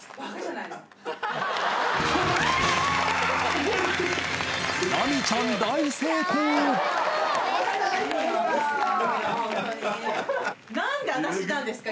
なんで私なんですか？